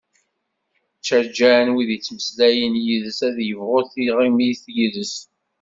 Ttaǧǧan win yettmeslayen yid-s ad yebɣu tiɣimit yid-s.